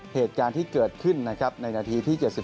เหตุการณ์ที่เกิดขึ้นนะครับในนาทีที่๗๒